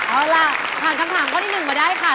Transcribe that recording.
เอาล่ะผ่านคำถามข้อที่๑มาได้ค่ะ